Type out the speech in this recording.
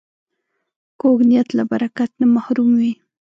کوږ نیت له برکت نه محروم وي